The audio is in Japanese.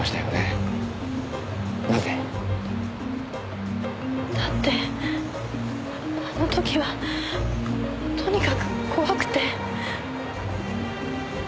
なぜ？だってあの時はとにかく怖くて。